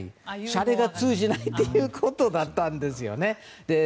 シャレが通じないということだったんですよね。